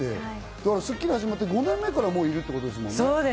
『スッキリ』５年目からいるってことですもんね。